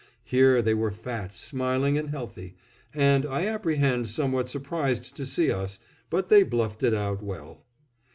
Here they were, fat, smiling, and healthy; and I apprehend somewhat surprised to see us, but they bluffed it out well.